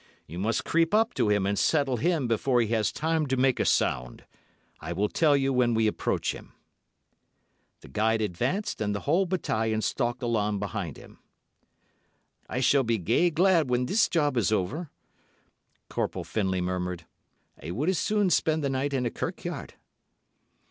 You must creep up to him and settle him before he has time to make a sound. I will tell you when we approach him." The guide advanced, and the whole battalion of O——s stalked along behind him. "I shall be gay glad when this job is over," Corporal Findlay murmured. "I would as soon spend the night in a kirkyard."